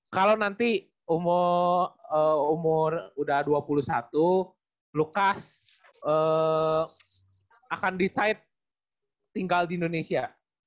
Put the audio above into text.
kalau nanti umur udah dua puluh satu lukas akan decide tinggal di indonesia